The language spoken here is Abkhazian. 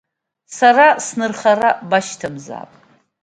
Са снырхара башьҭамзаап…